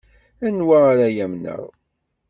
Anwa ara amneɣ?